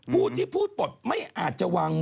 พูดที่พูดปกติไม่อาจจะวางมือ